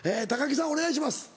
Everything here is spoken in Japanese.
木さんお願いします。